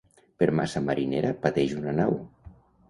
Per massa marinera pateix una nau.